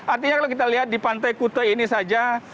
artinya kalau kita lihat di pantai kute ini saja